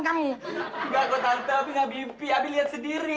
kamu nggak ke tantang